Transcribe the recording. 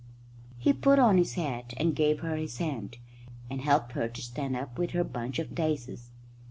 He put on his hat and gave her his hand, and helped her to stand up with her bunch of daisies.